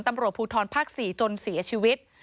ตำรวจภูทรภาค๔จนเสียชีวิต